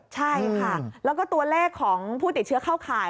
ใช่ค่ะแล้วก็ตัวเลขของผู้ติดเชื้อเข้าข่าย